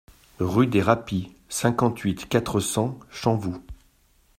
Rue des Rapies, cinquante-huit, quatre cents Champvoux